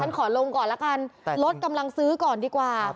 ฉันขอลงก่อนละกันแต่รถกำลังซื้อก่อนดีกว่าครับ